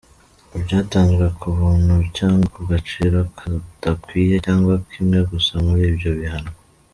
Ibyatanzwe ku buntu cyangwa ku gaciro kadakwiye cyangwa kimwe gusa muri ibyo bihano.